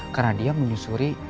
karena dia menyusuri